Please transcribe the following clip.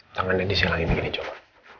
tangannya di silangin begini coba